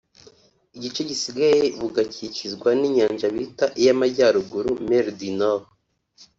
igice gisigaye bugakikizwa n’inyanja bita iy’amajyaruguru"Mer du Nord"